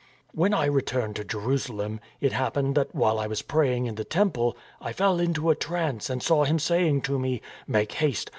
" When I returned to Jerusalem, it happened that while I was praying in the Temple I fell into a trance and saw Him saying to me, ' Make haste